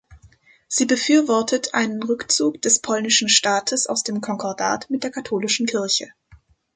Sie befürwortet einen Rückzug des polnischen Staates aus dem Konkordat mit der katholischen Kirche.